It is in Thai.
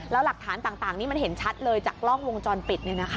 แล้วหลักฐานต่างนี้มันเห็นชัดเลยจากกล้องวงจรปิด